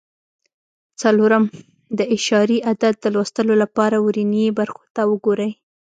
څلورم: د اعشاري عدد د لوستلو لپاره ورنیي برخو ته وګورئ.